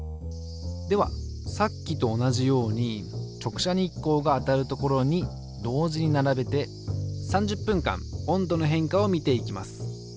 ではさっきと同じように直射日光が当たる所に同時に並べて３０分間温度の変化を見ていきます。